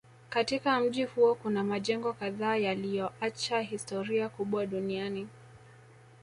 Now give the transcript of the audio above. Katika mji huo kuna majengo kadhaa yaliyoacha historia kubwa duniani